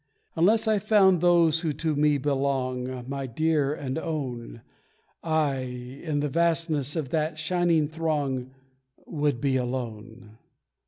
Unless I found those who to me belong, My dear and own, I, in the vastness of that shining throng, Would be alone.